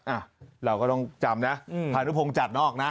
อ่ะเราก็ต้องจำนะพานุพงศ์จัดนอกนะ